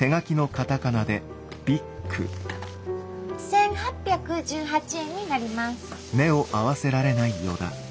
１，８１８円になります。